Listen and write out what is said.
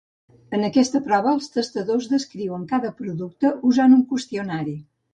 En aquesta prova, els tastadors descriuen cada producte usant un qüestionari.